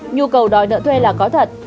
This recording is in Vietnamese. nhu cầu đòi nợ thuê là có thật